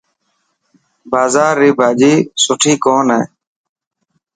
بازار ري ڀاڄي سٺي ڪون هي.